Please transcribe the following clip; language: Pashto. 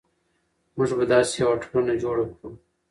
موږ به داسې یوه ټولنه جوړه کړو.